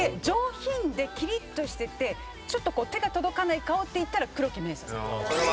上品でキリッとしててちょっとこう手が届かない顔っていったら黒木メイサさん。